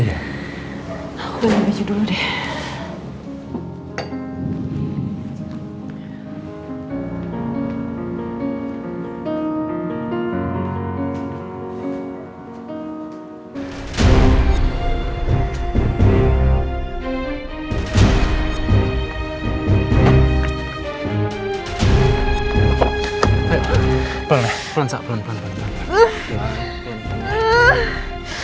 aku beli biji dulu deh